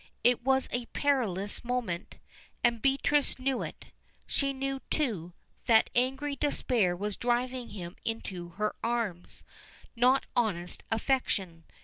It was a perilous moment, and Beatrice knew it. She knew, too, that angry despair was driving him into her arms, not honest affection.